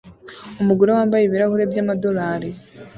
Umugore wambaye ibirahuri by'amadorari